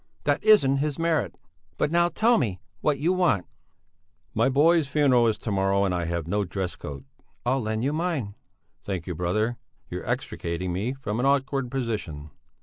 "That isn't his merit! But now tell me what you want." "My boy's funeral is to morrow, and I have no dress coat...." "I'll lend you mine." "Thank you, brother. You're extricating me from an awkward position.